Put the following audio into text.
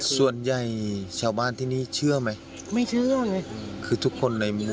ส่วนใหญ่ชาวบ้านที่นี่เชื่อไหมไม่เชื่อเลยคือทุกคนในเมือง